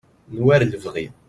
n war lebɣi